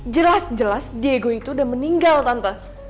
jelas jelas diego itu udah meninggal tante